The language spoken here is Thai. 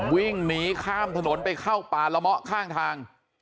วิ่งหนีข้ามถนนไปเข้าป่าละเมาะข้างทาง